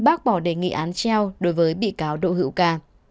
bác bỏ đề nghị án treo đối với bị cáo đỗ hữu ca